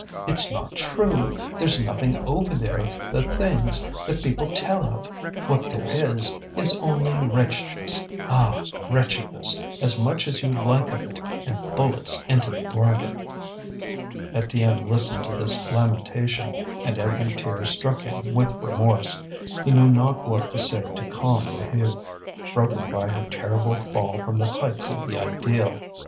It's not true; there's nothing over there of the things that people tell of. What there is, is only wretchedness, ah! wretchedness, as much as you like of it, and bullets into the bargain." Étienne listened to this lamentation, and every tear struck him with remorse. He knew not what to say to calm Maheude, broken by her terrible fall from the heights of the ideal.